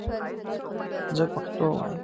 زه پښتو وایم